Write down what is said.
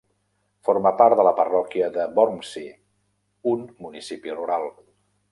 Forma part de la parròquia de Vormsi, un municipi rural.